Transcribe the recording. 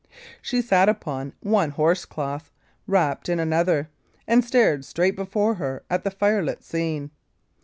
She sat upon one horse cloth, wrapped in another, and stared straight before her at the firelit scene.